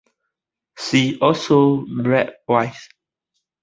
See also: Brad Vice.